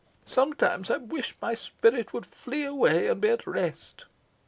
Sometimes I wish my spirit would flee away, and be at rest.